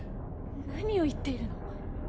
何を言っているの？